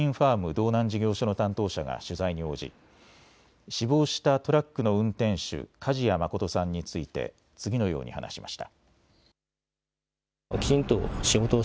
道南事業所の担当者が取材に応じ死亡したトラックの運転手、梶谷誠さんについて次のように話しました。